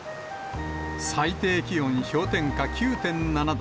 最低気温氷点下９．７度。